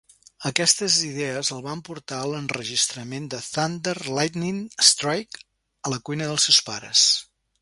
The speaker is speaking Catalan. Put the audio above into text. Aquestes idees el van portar a l'enregistrament de "Thunder, Lightning, Strike" a la cuina dels seus pares.